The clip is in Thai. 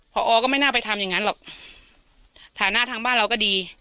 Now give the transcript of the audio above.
พอก็ไม่น่าไปทำอย่างนั้นหรอกฐานะทางบ้านเราก็ดี